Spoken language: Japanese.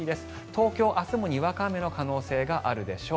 東京、明日もにわか雨の可能性があるでしょう。